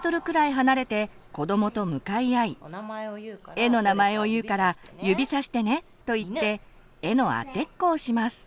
「絵の名前を言うから指さしてね」と言って絵の当てっこをします。